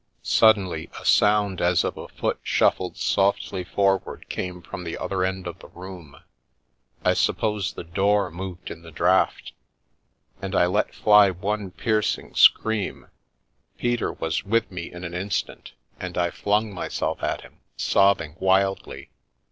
Suddenly a sound as of a foot shuffled softly forward came from the other end of the room — I suppose the Where the 'Bus Went door moved in the draught — and I let fly one piercing scream. Peter was with me in an instant, and I flung myself at him, sobbing wildly.